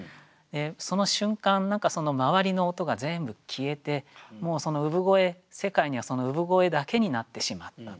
その瞬間何か周りの音が全部消えてもうその産声世界にはその産声だけになってしまったとか。